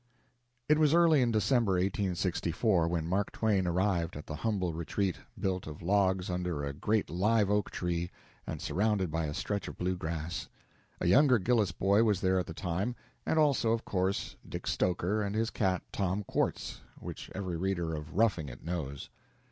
It was early in December, 1864, when Mark Twain arrived at the humble retreat, built of logs under a great live oak tree, and surrounded by a stretch of blue grass. A younger Gillis boy was there at the time, and also, of course, Dick Stoker and his cat, Tom Quartz, which every reader of "Roughing It" knows.